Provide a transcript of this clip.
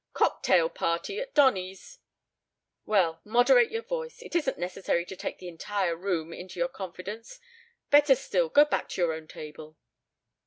Cocktail party at Donny's " "Well, moderate your voice. It isn't necessary to take the entire room into your confidence. Better still, go back to your own table."